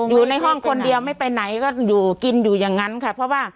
อยู่ในห้องคนเดียวไม่ไปไหนก็อยู่กินอยู่อย่างนั้นค่ะเพราะว่า